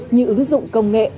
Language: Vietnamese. như ứng dụng công nghệ